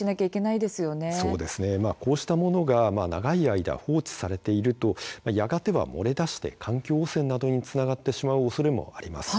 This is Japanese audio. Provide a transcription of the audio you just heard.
こうしたものが長い間、放置されているとやがては漏れ出して環境汚染などにつながってしまうおそれもあります。